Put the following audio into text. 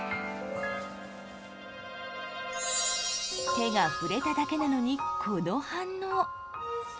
手が触れただけなのにこの反応。